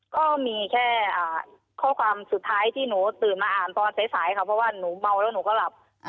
ก็มีแค่ข้อความสุดท้ายที่หนูตื่นมาอ่านตอนสายค่ะเพราะว่าหนูเมาแล้วหนูก็หลับ